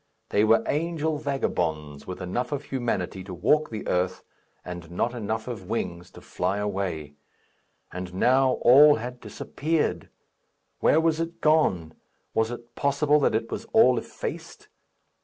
They were angel vagabonds, with enough of humanity to walk the earth and not enough of wings to fly away; and now all had disappeared! Where was it gone? Was it possible that it was all effaced?